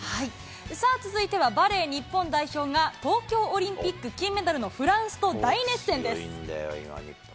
さあ、続いてはバレー日本代表が、東京オリンピック金メダルのフランスと大熱戦です。